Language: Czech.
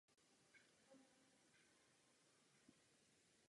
Na filmu také spolupracovala jejich dcera Veronika Hrubá.